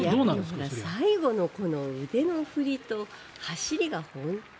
最後の腕の振りと走りが本当に。